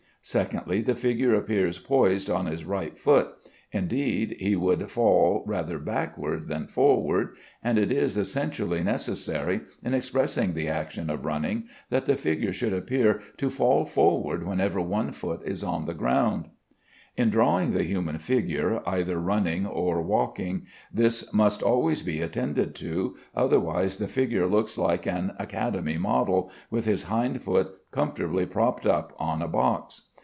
Secondly, the figure appears poised on his right foot; indeed, he would fall rather backward than forward; and it is essentially necessary, in expressing the action of running, that the figure should appear to fall forward whenever one foot is on the ground. In drawing the human figure either running or walking, this must always be attended to, otherwise the figure looks like an academy model, with his hind foot comfortably propped up on a box.